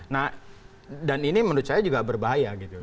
nah dan ini menurut saya juga berbahaya gitu